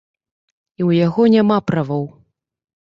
І ў яго няма правоў.